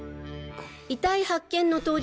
遺体発見の当日